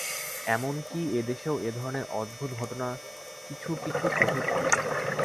এমন কি এদেশেও এ ধরনের অদ্ভুত ঘটনা কিছু কিছু চোখে পড়ে।